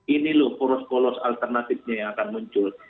ini loh poros polos alternatifnya yang akan muncul